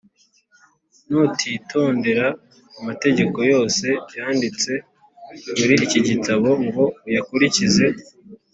nutitondera amategeko yose yanditse muri iki gitabo ngo uyakurikize,